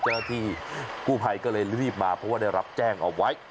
เจ้าหน้าที่กู้ภัยก็เลยรีบมาเพราะว่าได้รับแจ้งเอาไว้